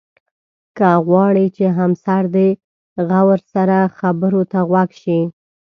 که غواړې چې همسر دې غور سره خبرو ته غوږ شي.